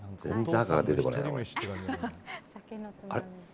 全然赤が出てこないな。